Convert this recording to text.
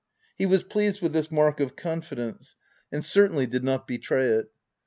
He was pleased with this mark of confidence, and cer 198 THE TENANT tainly did not betray it.